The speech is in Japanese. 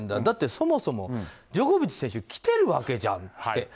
だって、そもそもジョコビッチ選手来てるわけじゃんって。